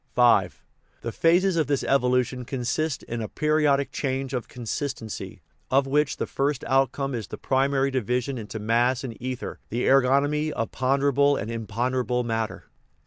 V. The phases of this evolution consist in a peri odic change of consistency, of which the first outcome is the primary division into mass and ether the er gonomy of ponderable and imponderable matter.